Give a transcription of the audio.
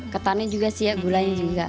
ketannya juga sih ya gulanya juga